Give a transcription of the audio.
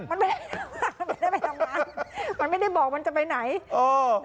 มันไม่ได้ทำงานไม่ได้ไปทำงานมันไม่ได้บอกมันจะไปไหนเออ